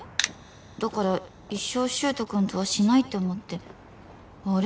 だから一生柊人君とはシないって思ってあれ？